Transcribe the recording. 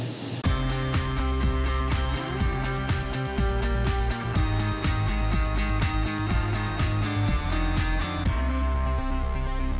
ทำไมครูต้องโกรธและวากสื่อโดยตลอด